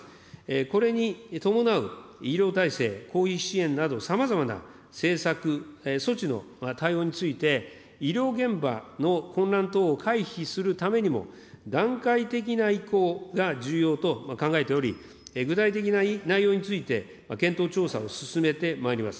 これに伴う医療体制、広域支援などさまざまな政策、措置の対応について、医療現場の混乱等を回避するためにも、段階的な移行が重要と考えており、具体的な内容について検討、調査を進めてまいります。